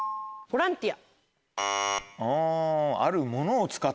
ボランティア。